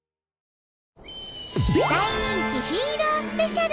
大人気ヒーロースペシャル！